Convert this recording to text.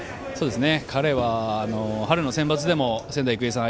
彼は春のセンバツでも仙台育英さん